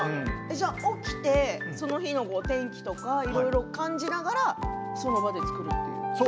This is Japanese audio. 起きてその日の天気とかいろいろ感じながらその場で作るという？